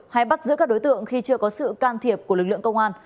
hay bắt giữ các đối tượng khi chưa có sự can thiệp của lực lượng công an